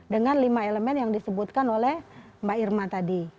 dengan lima elemen yang disebutkan oleh mbak irma tadi